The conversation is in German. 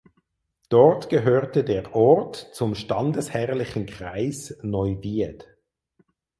Dort gehörte der Ort zum Standesherrlichen Kreis Neuwied.